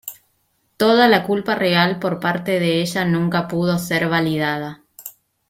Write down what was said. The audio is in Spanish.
Toda la culpa real por parte de ella nunca pudo ser validada.